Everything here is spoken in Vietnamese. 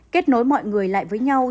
kết nối mọi người lại với nhau